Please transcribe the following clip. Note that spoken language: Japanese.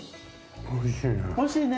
おいしいね。